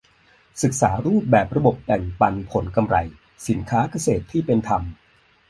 ศึกษารูปแบบระบบแบ่งปันผลกำไรสินค้าเกษตรที่เป็นธรรม